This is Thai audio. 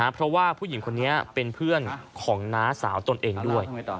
เพราะว่าผู้หญิงคนนี้เป็นเพื่อนของน้าสาวตนเองด้วย